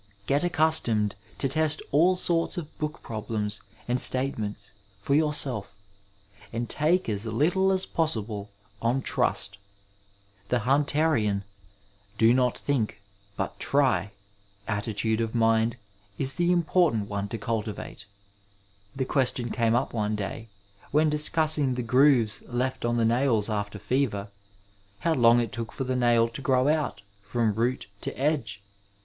Get accustomed to test all sorts of book problems and statements for 70urBelf , and take as little as possible on trust. The Hunterian '^ Do not think, but tr7 " attitude of mind is the important one to cultivate. The question came up one da7, when discussing the grooines left on the nails after fevv, how long it took for the nail to grow out, from root to edge.